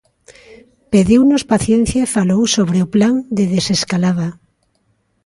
Pediunos paciencia e falou sobre o Plan de desescalada.